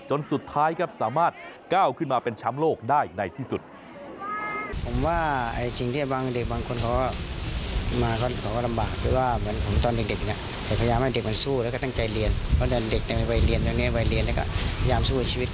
จนสุดท้ายครับสามารถก้าวขึ้นมาเป็นแชมป์โลกได้ในที่สุด